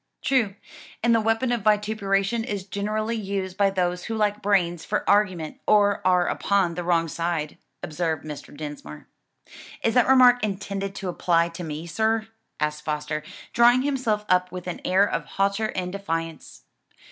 "True; and the weapon of vituperation is generally used by those who lack brains for argument or are upon the wrong side," observed Mr. Dinsmore. "Is that remark intended to apply to me sir?" asked Foster, drawing himself up with an air of hauteur and defiance.